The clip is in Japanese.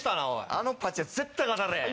あのパチ屋絶対勝たれへん。